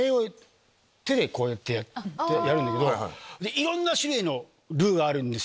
いろんな種類のルーがあるんです